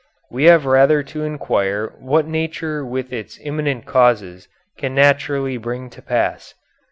We have rather to inquire what nature with its immanent causes can naturally bring to pass."